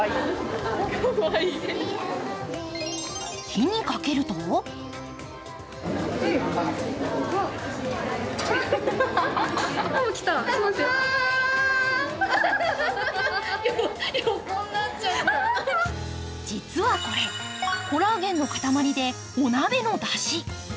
火にかけると実はこれ、コラーゲンの塊でお鍋のだし。